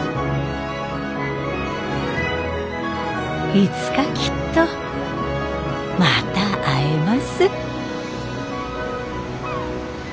いつかきっとまた会えます。